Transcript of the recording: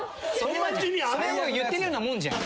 それもう言ってるようなもんじゃん。